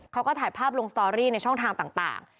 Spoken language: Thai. เขาก็ถ่ายภาพลงสตอรี่ในช่องทางต่าง